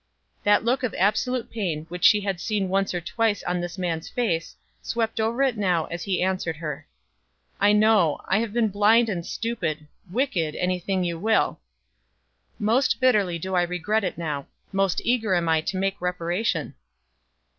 That look of absolute pain which she had seen once or twice on this man's face, swept over it now as he answered her. "I know I have been blind and stupid, wicked any thing you will. Most bitterly do I regret it now; most eager am I to make reparation."